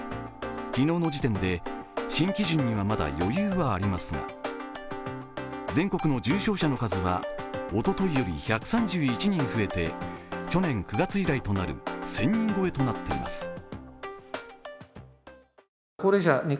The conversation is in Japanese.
昨日の時点で、新基準にはまだ余裕がありますが全国の重症者の数はおとといより１３１人増えて去年９月以来となる１０００人超えとなっています。